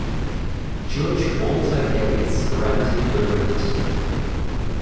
Judge Walter Gates granted the writ.